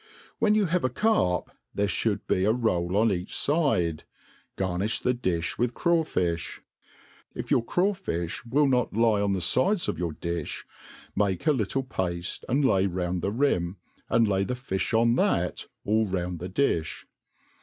When you have a carp, there fliould be a roll on each fidew Garntfl) the difli with crawfifli. If your craw fi(b will not lie on the fidea of your di(h, make a Httie pafte, and lay round 0ie rim, and lay the fifli on that all round the di(h.